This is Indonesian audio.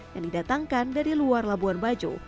yang didatangkan dari luar labuan bajo